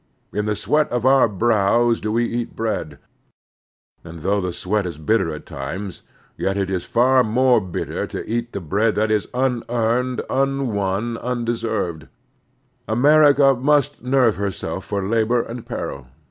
In the sweat of our brows do we eat bread, and though the sweat is bitter at Vlys^ S. Grant. V^r ^^y^y m Grant wx times, yet it is far more bitter to eat the bread that is unearned, tmwon, tmdeserved. America must nerve herself for labor and peril.